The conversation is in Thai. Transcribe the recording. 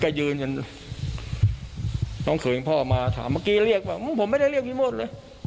กลายยืนกันน้องเขาอิงพ่อมาถามเมื่อกี้เรียกผมไม่ได้เรียกพี่มดเลย